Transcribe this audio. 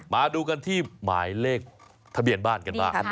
มาดูกันที่หมายเลขทะเบียนบ้านกันบ้าง